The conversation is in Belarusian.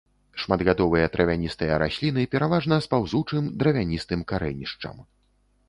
Шматгадовыя травяністыя расліны пераважна з паўзучым дравяністым карэнішчам.